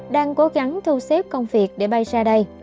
đang cố gắng thu xếp công việc để bay ra đây